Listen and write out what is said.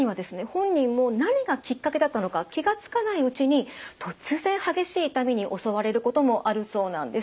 本人も何がきっかけだったのか気が付かないうちに突然激しい痛みに襲われることもあるそうなんです。